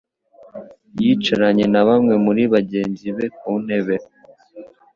yicaranye na bamwe muri bagenzi be ku ntebe.